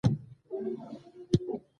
مینې وویل چې ځای یې نه پېژني